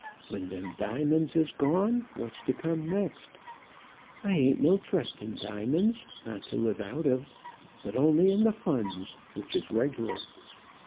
When them diamonds is gone, what's to come next? I ain't no trust in diamonds, not to live out of, but only in the funds, which is reg'lar.